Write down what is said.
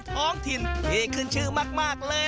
โรงโต้งคืออะไร